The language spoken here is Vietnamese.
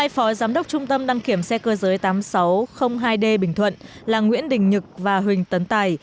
hai phó giám đốc trung tâm đăng kiểm xe cơ giới tám nghìn sáu trăm linh hai d bình thuận là nguyễn đình nhực và huỳnh tấn tài